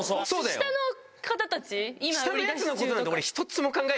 下の方たち今。